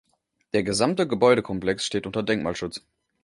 Der gesamte Gebäudekomplex steht unter Denkmalschutz.